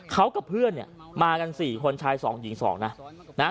เขากับเพื่อนมากัน๔คนชาย๒หญิง๒นะ